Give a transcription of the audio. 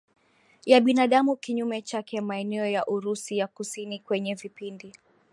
ya binadamu Kinyume chake maeneo ya Urusi ya kusini kwenye vipindi